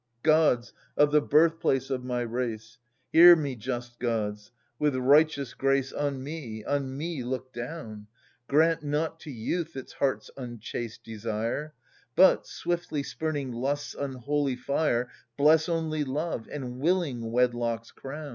* Gods of the birfehplaec of my race, '' Hear me, just gods ! With righteous grace On me, on me look down ! itJJZT Grant not to youth its heart's unchaste desire, I But, swiftly spurning Lust's unholy fire, Bless only love and willing wedlock's crown